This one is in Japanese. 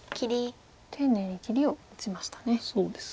丁寧に切りを打ちましたね。